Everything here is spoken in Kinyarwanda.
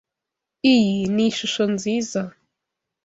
Iyi ni ishusho nziza.